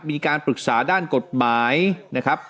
มีการปรึกษาด้านกฎหมายนะครับ